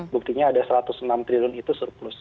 buktinya ada satu ratus enam triliun itu surplus